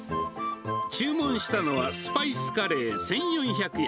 注文したのは、スパイスカレー１４００円。